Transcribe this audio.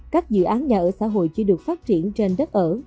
các dự án nhà ở xã hội chỉ được phát triển trên đất ở